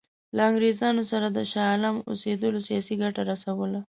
له انګرېزانو سره د شاه عالم اوسېدلو سیاسي ګټه رسوله.